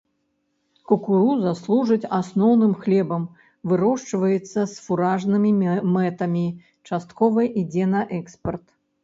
Кукуруза служыць асноўным хлебам, вырошчваецца з фуражнымі мэтамі, часткова ідзе на экспарт.